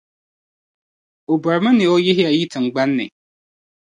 O bɔrimi ni o yihi ya yi tiŋgbani ni.